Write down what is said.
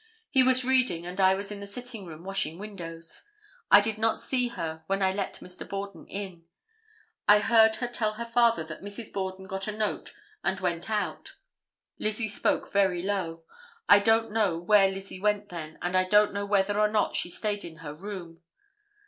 He was reading and I was in the sitting room washing windows. I did not see her when I let Mr. Borden in. I heard her tell her father that Mrs. Borden got a note and went out. Lizzie spoke very low. I don't know where Lizzie went then, and I don't know whether or not she stayed in her room.